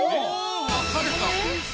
分かれた！